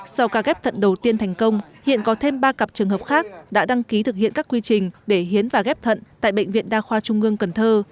sau ca ghép thận đầu tiên thành công hiện có thêm ba cặp trường hợp khác đã đăng ký thực hiện các quy trình để hiến và ghép thận tại bệnh viện đa khoa trung ương cần thơ